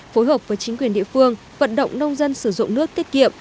phối hợp với chính quyền địa phương vận động nông dân sử dụng nước tiết kiệm